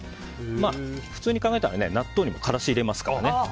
普通に考えたら納豆にもからしを入れますからね